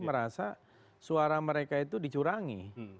merasa suara mereka itu dicurangi